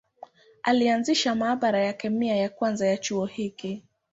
Alianzisha maabara ya kemia ya kwanza ya chuo hiki.